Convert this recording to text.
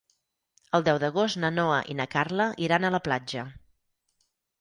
El deu d'agost na Noa i na Carla iran a la platja.